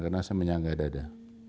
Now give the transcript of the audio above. karena saya menyanggah dada